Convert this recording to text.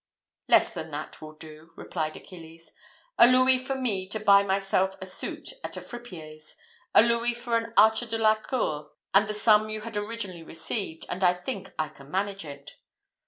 "Less than that will do," replied Achilles; "a louis for me to buy myself a suit at a fripier's, a louis for an archer de la cour, and the sum you had originally received, and I think I can manage it."